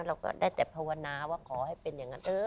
เราก็ได้แต่ภาวนาว่าขอให้เป็นอย่างนั้น